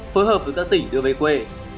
phối hợp với các tỉnh đưa về quê